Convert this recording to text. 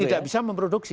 tidak bisa memproduksi